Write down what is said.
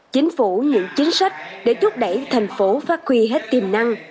chính phủ những chính sách để giúp đẩy thành phố phát huy hết tiềm năng